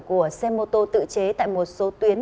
của xe mô tô tự chế tại một số tuyến